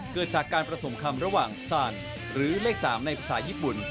เกิดจากการผสมคำระหว่างซานหรือเลข๓ในภาษาญี่ปุ่น